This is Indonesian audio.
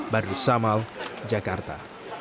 badrus samal jakarta